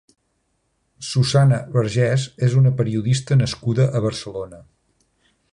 Susanna Bergés és una periodista nascuda a Barcelona.